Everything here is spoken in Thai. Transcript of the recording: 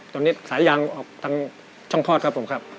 ตอนนี้สายยางออกทั้งช่องคลอดครับผมครับ